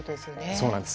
そうなんです。